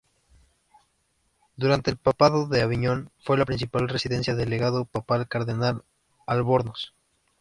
Durante el papado de Aviñón, fue la principal residencia del legado papal Cardenal Albornoz.